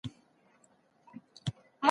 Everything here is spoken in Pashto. کارګرانو وویل چي دوی په فابریکو کي کار کوي.